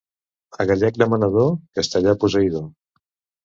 A gallec demanador, castellà posseïdor.